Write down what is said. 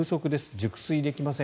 熟睡できません。